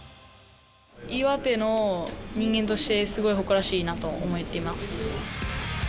岩手の人間として、すごい誇らしいなと思っています。